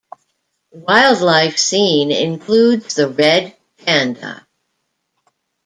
Wildlife seen includes the red panda.